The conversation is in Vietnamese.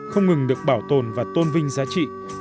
không ngừng được bảo tồn và tôn vinh giá trị